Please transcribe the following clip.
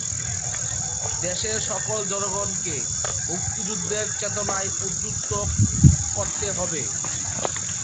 দেশের সকল জনগণকে মুক্তিযুদ্ধের চেতনায় উদ্বুদ্ধ করতে হবে।